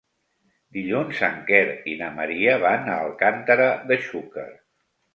Dilluns en Quer i na Maria van a Alcàntera de Xúquer.